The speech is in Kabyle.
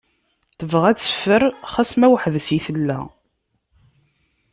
Tebɣa ad teffer, xas ma weḥdes i tella.